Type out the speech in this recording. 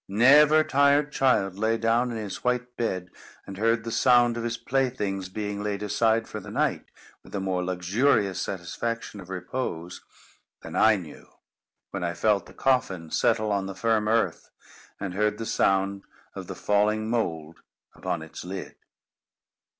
Never tired child lay down in his white bed, and heard the sound of his playthings being laid aside for the night, with a more luxurious satisfaction of repose than I knew, when I felt the coffin settle on the firm earth, and heard the sound of the falling mould upon its lid.